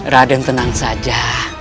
raden tenang saja